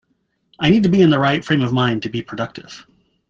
I need to be in the right frame of mind to be productive.